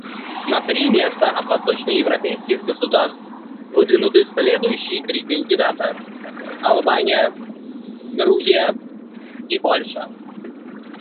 На три места от восточноевропейских государств выдвинуты следующие три кандидата: Албания, Грузия и Польша.